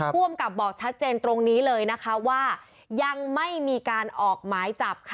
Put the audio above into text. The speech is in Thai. ร่วมกับบอกชัดเจนตรงนี้เลยว่ายังไม่มีการออกไม้จับค่ะ